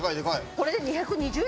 これで２２０円ですよ？